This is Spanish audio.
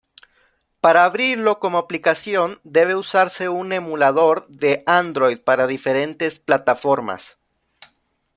Para abrirlo como aplicación debe usarse un emulador de android para diferentes plataformas.